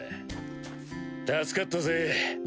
助かったぜ。